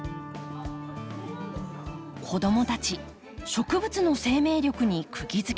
子どもたち植物の生命力にくぎづけです。